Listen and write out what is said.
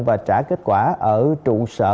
và trả kết quả ở trụ sở